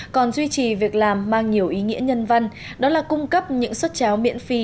còn duy trì việc làm mang nhiều ý nghĩa nhân văn đó là cung cấp những suất cháo miễn phí